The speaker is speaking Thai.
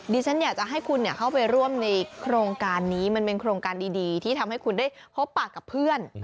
ฉันอยากจะให้คุณเข้าไปร่วมในโครงการนี้มันเป็นโครงการดีที่ทำให้คุณได้พบปากกับเพื่อน